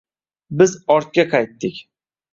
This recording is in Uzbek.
Biz ortga qaytdik